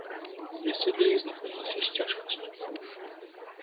Месца для іх знаходзілася з цяжкасцю.